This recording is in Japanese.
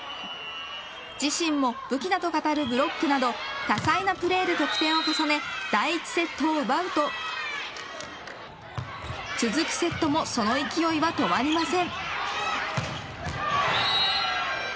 自身も武器だと語るブロックなど多彩なプレーで得点を重ね第１セットを奪うと続くセットもその勢いは止まりません。